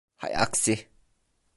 Hay aksi!